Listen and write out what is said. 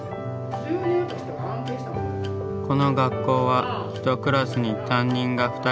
この学校は１クラスに担任が２人。